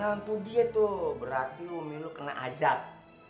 nah untuk dia tuh berarti umi lo kena ajak